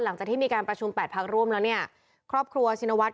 หลังจากที่มีการประชุมแปดพักร่วมแล้วเนี่ยครอบครัวชินวัฒน